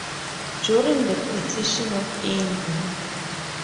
During the partition of India.